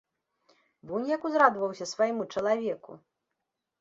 Вунь як узрадаваўся свайму чалавеку!